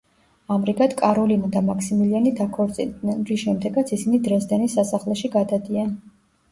ამრიგად კაროლინა და მაქსიმილიანი დაქორწინდნენ, რის შემდეგაც ისინი დრეზდენის სასახლეში გადადიან.